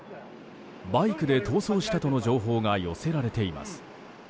バイクで逃走したとの情報が寄せられています。